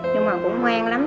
nhưng mà cũng ngoan lắm